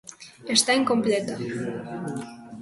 Está incompleta.